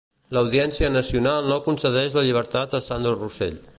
L'Audiència Nacional no concedeix la llibertat a Sandro Rosell.